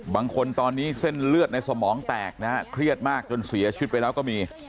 บางคนตอนนี้เส้นเลือดในสมองแตกนะฮะเครียดมากจนเสียชีวิตไปแล้วก็มี